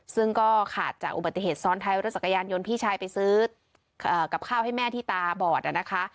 ซึ่งก็ขาดจากอุบัติเหตุซ้อนท้ายรถจักรยานยนต์พี่ชายไปซื้อกับข้าวให้แม่ที่ตาบอดนะคะ